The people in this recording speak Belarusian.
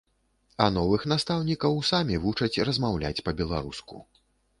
А новых настаўнікаў самі вучаць размаўляць па-беларуску.